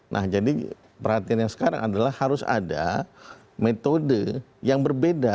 nah jadi perhatian yang sekarang adalah harus ada metode yang berbeda